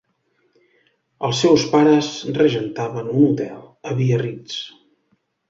Els seus pares regentaven un hotel a Biarritz.